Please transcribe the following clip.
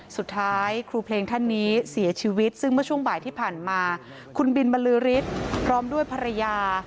สุดท้ายครูเพลงท่านนี้เสียชีวิตซึ่งเมื่อช่วงบ่ายที่ผ่านมาคุณบินบรรลือฤทธิ์พร้อมด้วยภรรยา